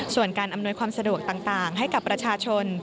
ส่วนการอำนวยความสะดวกต่างให้กับประชาชน